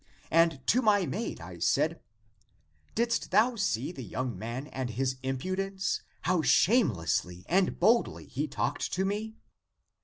And to my maid I said, ' Didst thou see the young man and his impudence, how shamelessly and boldly he talked to me